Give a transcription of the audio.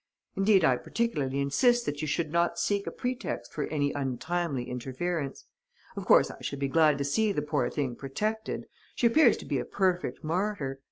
Indeed, I particularly insist that you should not seek a pretext for any untimely interference. Of course, I should be glad to see the poor thing protected: she appears to be a perfect martyr.